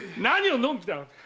何をのんきな！